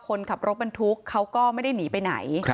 คนขับรถบรรทุกเขาก็ไม่ได้หนีไปไหน